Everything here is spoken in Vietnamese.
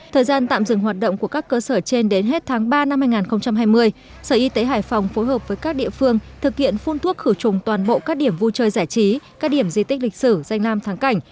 thời gian tạm dừng hoạt động của các cơ sở trên đến hết tháng ba năm hai nghìn hai mươi sở y tế hải phòng phối hợp với các địa phương thực hiện phun thuốc khử trùng toàn bộ các điểm vui chơi giải trí các điểm di tích lịch sử danh lam thắng cảnh